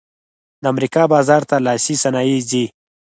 د امریکا بازار ته لاسي صنایع ځي